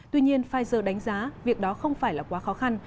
tuy nhiên pfizer đánh giá việc đó không phải là quá khó khăn